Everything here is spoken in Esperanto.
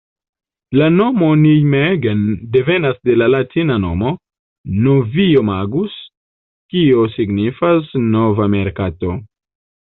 La nomo Nijmegen devenas de la latina nomo "Novio-magus", kio signifas 'nova merkato'.